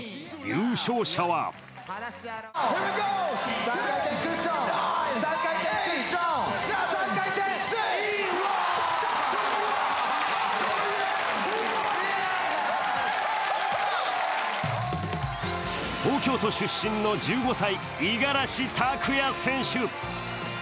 優勝者は東京都出身の１５歳、五十嵐拓哉選手。